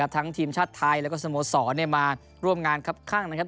ทั้งทีมชาติไทยแล้วก็สมส่วนมาร่วมงานข้างนะครับ